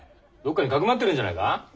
どっかにかくまってるんじゃないか。